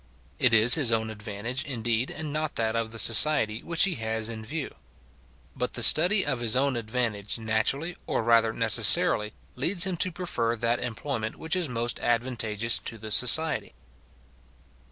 It is his own advantage, indeed, and not that of the society, which he has in view. But the study of his own advantage naturally, or rather necessarily, leads him to prefer that employment which is most advantageous to the society.